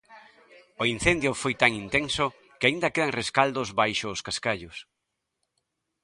O incendio foi tan intenso que aínda quedan rescaldos baixo os cascallos.